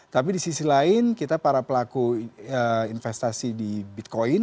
tapi di sisi lain kita para pelaku investasi di bitcoin